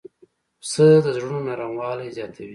پسه د زړونو نرموالی زیاتوي.